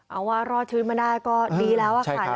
เอาว่ารอดชีวิตมาได้ก็ดีแล้วค่ะ